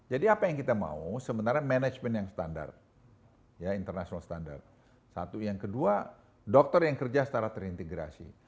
jadi apa yang kita mau sementara management yang standar ya international standard satu yang kedua dokter yang kerja secara terintegrasi